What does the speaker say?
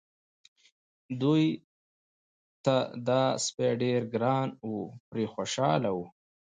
دوی ته دا سپی ډېر ګران و پرې خوشاله وو.